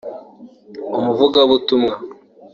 Umuvugabutumwa